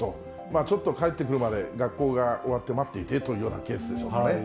ちょっと帰ってくるまで学校が終わって待っていてというようなケースでしょうね。